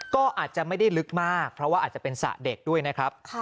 ก็อาจจะไม่ได้ลึกมากเพราะว่าอาจจะเป็นสระเด็กด้วยนะครับ